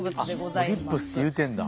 リップスっていうてんだ。